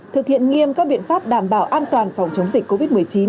thực hiện nghiêm các biện pháp đảm bảo an toàn phòng chống dịch covid một mươi chín